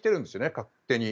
勝手に。